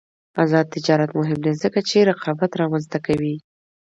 آزاد تجارت مهم دی ځکه چې رقابت رامنځته کوي.